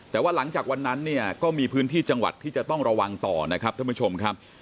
แต่ว่าหลังจากวันนั้นเนี่ยก็มีพื้นที่จังหวัดที่จะต้องระวังต่อนะครับท่านผู้ชมครับ